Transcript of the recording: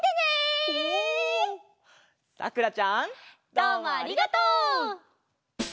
どうもありがとう！